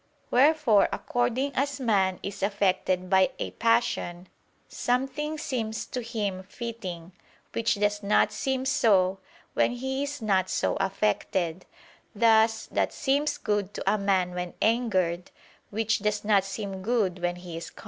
Wherefore according as man is affected by a passion, something seems to him fitting, which does not seem so when he is not so affected: thus that seems good to a man when angered, which does not seem good when he is calm.